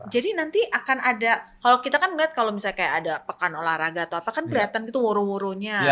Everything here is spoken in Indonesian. jadi nanti akan ada kalau kita kan melihat kalau misalnya kayak ada pekan olahraga atau apa kan kelihatan gitu woro woronya